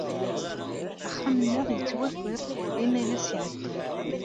Axxam-nneɣ yettwaker imalas iɛeddan.